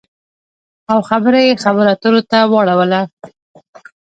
او خبره یې خبرو اترو ته واړوله